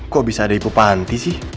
kok bisa ada ibu panti sih